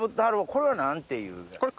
これは何ていう？